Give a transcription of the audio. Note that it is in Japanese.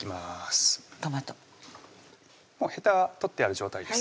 もうへた取ってある状態です